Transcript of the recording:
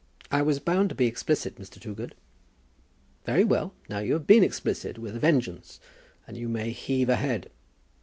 "I was bound to be explicit, Mr. Toogood." "Very well; now you have been explicit with a vengeance, and you may heave a head.